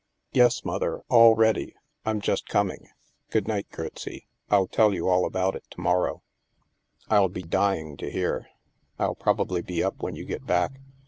" "Yes, Mother, all ready. I'm just coming. Good night, Gertsie, I'll tell you all about it to morrow." " I'll be dying to hear. I'll probably be up when you get back.